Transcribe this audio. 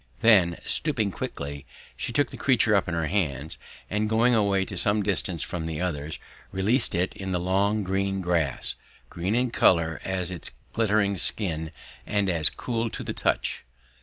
Then, stooping quickly, she took the creature up in her hands, and going away to some distance from the others, released it in the long green grass, green in colour as its glittering skin and as cool to the touch.